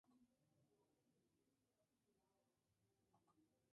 La implementación se hace mediante Programación dinámica.